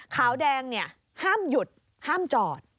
ขาวแดงห้ามหยุดห้ามจอด